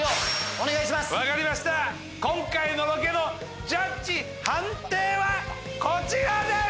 今回のロケのジャッジ判定はこちらです